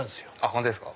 本当ですか！